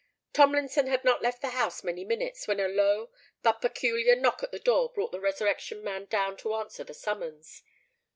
Tomlinson had not left the house many minutes, when a low, but peculiar knock at the door brought the Resurrection Man down to answer the summons.